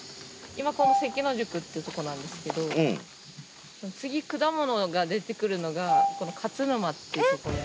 今この関野宿っていうとこなんですけど次果物が出てくるのがこの勝沼っていうところ。